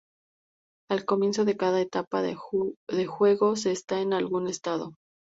Al comienzo de cada etapa del juego se está en algún estado.